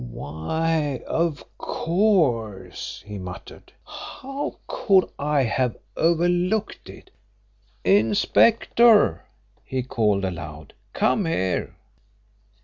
"Why, of course!" he muttered. "How could I have overlooked it? Inspector," he called aloud, "come here!"